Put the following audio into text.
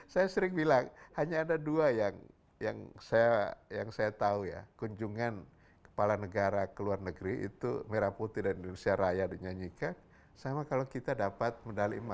saya sering bilang hanya ada dua yang saya tahu ya kunjungan kepala negara ke luar negeri itu merah putih dan indonesia raya dinyanyikan sama kalau kita dapat medali emas